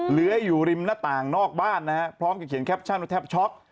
เหลืออยู่ริมหน้าต่างนอกบ้านนะฮะพร้อมกับเขียนแคปชั่นว่าแทบช็อก